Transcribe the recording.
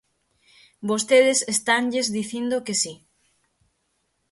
Vostedes estanlles dicindo que si.